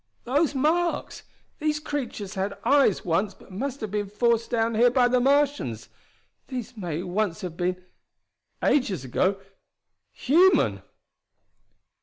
"Those marks! These creatures had eyes once but must have been forced down here by the Martians. These may once have been ages ago human!"